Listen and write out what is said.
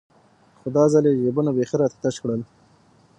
خو دا ځل يې جيبونه راته بيخي تش كړل.